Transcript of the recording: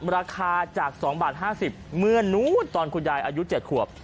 ราคาจากสองบาทห้าสิบเมื่อนู้นตอนคุณยายอายุเจ็ดขวบ